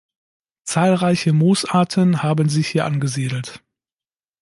Zahlreiche Moosarten haben sich hier angesiedelt.